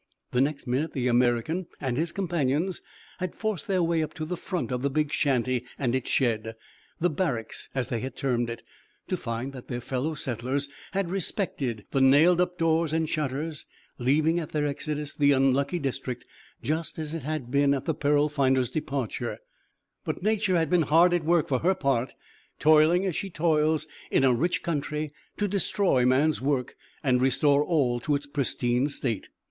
The next minute the American and his companions had forced their way up to the front of the big shanty and its shed the barracks, as they had termed it to find that their fellow settlers had respected the nailed up doors and shutters, leaving at their exodus the unlucky district just as it had been at the peril finders' departure; but Nature had been hard at work for her part, toiling as she toils in a rich country to destroy man's work and restore all to its pristine state.